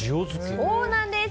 そうなんです。